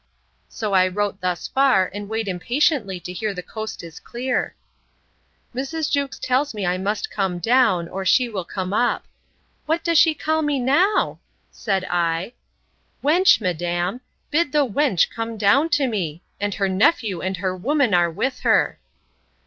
—So I wrote thus far, and wait impatiently to hear the coast is clear. Mrs. Jewkes tells me I must come down, or she will come up. What does she call me now? said I. Wench, madam, Bid the wench come down to me. And her nephew and her woman are with her.